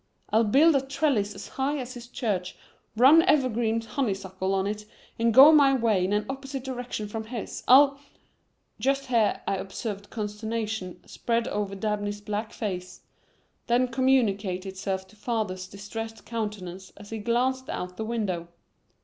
I'll build a trellis as high as his church, run evergreen honeysuckle on it and go my way in an opposite direction from his. I'll " Just here I observed consternation spread over Dabney's black face, then communicate itself to father's distressed countenance as he glanced out the window.